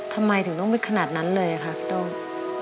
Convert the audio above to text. ทำไมถึงต้องเป็นขนาดนั้นเลยค่ะพี่โต้ง